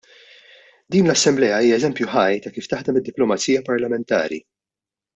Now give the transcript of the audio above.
Din l-Assemblea hija eżempju ħaj ta' kif taħdem id-diplomazija parlamentari.